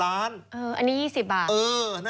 อันนี้๒๐บาทคุณมิ้นเออ